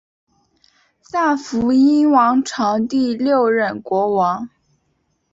萨伏伊王朝第六任国王。